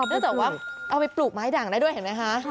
เนื่องจากว่าเอาไปปลูกไม้ด่างได้ด้วยเห็นไหมคะ